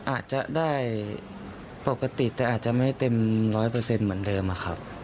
อาจจะได้ปกติแต่อาจจะไม่เต็มร้อยเปอร์เซ็นต์เหมือนเดิมครับ